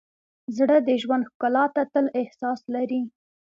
زړه د ژوند ښکلا ته تل احساس لري.